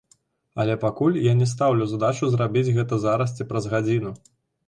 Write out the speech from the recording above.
Але пакуль я не стаўлю задачу зрабіць гэта зараз ці праз гадзіну.